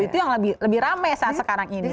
itu yang lebih rame saat sekarang ini